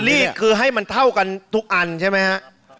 รีดคือให้มันเท่ากันทุกอันใช่ไหมฮะ